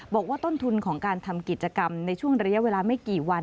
บอกว่าต้นทุนของการทำกิจกรรมในช่วงระยะเวลาไม่กี่วัน